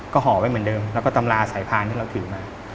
ก็ห่อไว้เหมือนเดิมแล้วก็ตำราสายพานที่เราถือมา